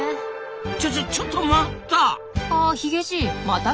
ちょちょちょっと待った！